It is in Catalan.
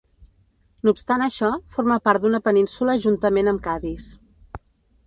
No obstant això, forma part d'una península juntament amb Cadis.